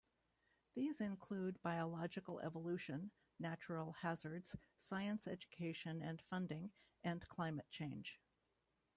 These include biological evolution, natural hazards, science education and funding, and climate change.